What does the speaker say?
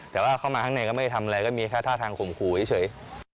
แต่ว่าเข้ามาข้างในก็ไม่ได้ทำอะไรก็มีแค่ท่าทางข่มขู่เฉย